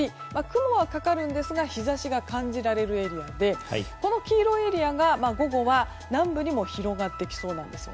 雲はかかるんですが日差しが感じられるエリアでこの黄色いエリアが午後は南部にも広がってきそうです。